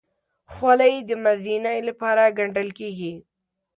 خولۍ د مزینۍ لپاره ګنډل کېږي.